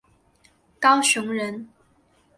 高雄人。